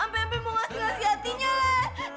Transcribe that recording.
sampai mau ngasih ngasih hatinya leh